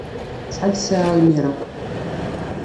Acḥal ssaɛa imir-a?